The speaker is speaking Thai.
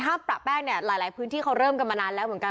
ประแป้งเนี่ยหลายพื้นที่เขาเริ่มกันมานานแล้วเหมือนกัน